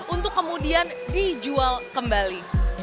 untuk kemudian dijual kembali